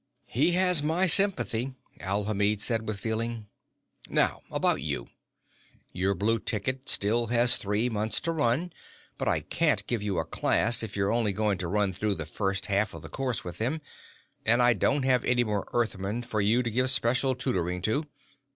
"He has my sympathy," Alhamid said with feeling. "Now, about you. Your blue ticket still has three months to run, but I can't give you a class if you're only going to run through the first half of the course with them, and I don't have any more Earthmen for you to give special tutoring to.